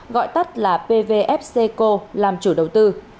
gọi tắt là pvfc co làm chủ đầu tư